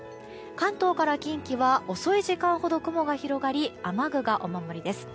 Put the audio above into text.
関東から近畿は遅い時間ほど雲が広がり雨具がお守りです。